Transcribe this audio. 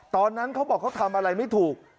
ตอนนั้นเขาบอกเขาทำอะไรไม่ถูก